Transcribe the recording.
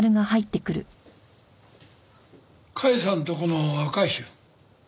甲斐さんとこの若い衆。